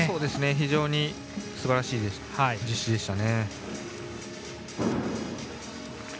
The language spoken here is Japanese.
非常にすばらしい実施でした。